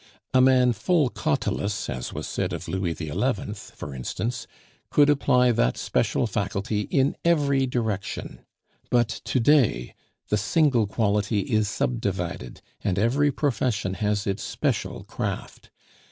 A man "full cautelous," as was said of Louis XI., for instance, could apply that special faculty in every direction, but to day the single quality is subdivided, and every profession has its special craft.